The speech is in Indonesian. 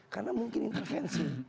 karena mungkin intervensi